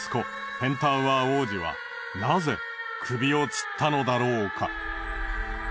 ペンタウアー王子はなぜ首を吊ったのだろうか？